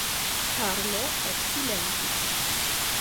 Karlo eksilentis.